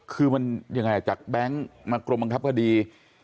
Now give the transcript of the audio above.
คือมันยังไงจากแบงค์มากรมบังคับคดี